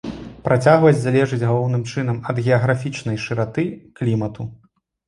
Працягласць залежыць галоўным чынам ад геаграфічнай шыраты, клімату.